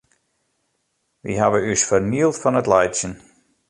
Wy hawwe ús fernield fan it laitsjen.